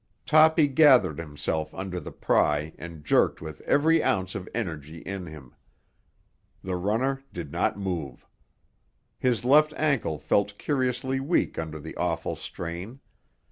Toppy gathered himself under the pry and jerked with every ounce of energy in him. The runner did not move. His left ankle felt curiously weak under the awful strain.